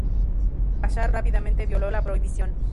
Bashar rápidamente violó la prohibición.